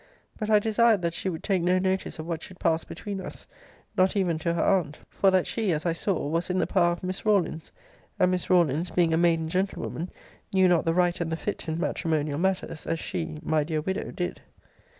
But I desired that she would take no notice of what should pass between us, not even to her aunt; for that she, as I saw, was in the power of Miss Rawlins: and Miss Rawlins, being a maiden gentlewoman, knew not the right and the fit in matrimonial matters, as she, my dear widow, did.